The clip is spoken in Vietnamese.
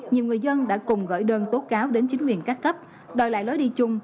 nhiều người dân đã cùng gửi đơn tố cáo đến chính quyền các cấp đòi lại lối đi chung